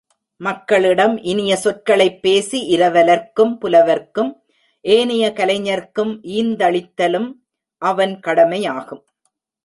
மக்களிடம் இனிய சொற்களைப் பேசி இரவலர்க்கும் புலவர்க்கும் ஏனைய கலைஞர்க்கும் ஈத்தளித்தலும் அவன் கடமையாகும்.